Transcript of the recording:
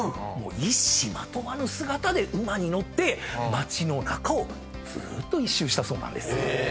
一糸まとわぬ姿で馬に乗って街の中をずーっと一周したそうなんです。